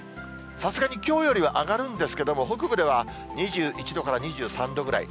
さすがに、きょうよりは上がるんですけれども、北部では２１度から２３度ぐらい。